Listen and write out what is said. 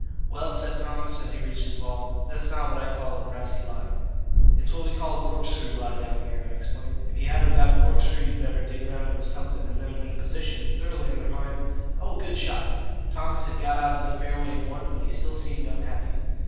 "Well," said Thomas, as he reached his ball, "that's not what I call a brassy lie." "It's what we call a corkscrew lie down here," I explained. "If you haven't got a corkscrew you'd better dig round it with something, and then when the position is thoroughly undermined Oh, good shot!" Thomas had got out of the fairway in one, but he still seemed unhappy.